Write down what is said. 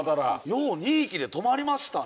よう２匹で止まりましたね。